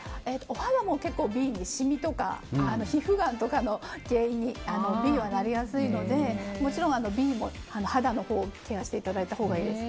お肌もシミとか皮膚がんとかの原因にＢはなりやすいのでもちろんＢも肌のケアをケアしていただいたほうがいいです。